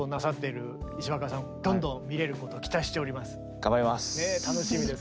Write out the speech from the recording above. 頑張ります。